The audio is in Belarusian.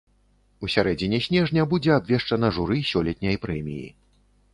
У сярэдзіне снежня будзе абвешчана журы сёлетняй прэміі.